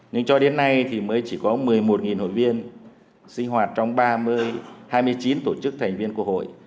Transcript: nhưng cho đến nay thì mới chỉ có một mươi một hội viên sinh hoạt trong ba mươi chín tổ chức thành viên của hội